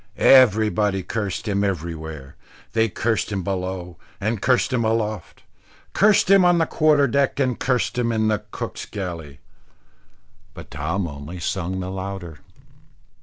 Everybody cursed him everywhere; they cursed him below and cursed him aloft; cursed him on the quarter deck, and cursed him in the cook's galley. But Tom only sung the louder.